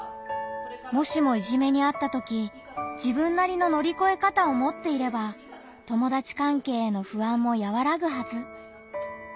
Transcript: もしもいじめにあったとき自分なりの乗り越え方を持っていれば友達関係への不安もやわらぐはず。